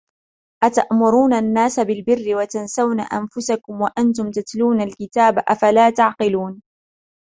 أَتَأْمُرُونَ النَّاسَ بِالْبِرِّ وَتَنْسَوْنَ أَنْفُسَكُمْ وَأَنْتُمْ تَتْلُونَ الْكِتَابَ أَفَلَا تَعْقِلُونَ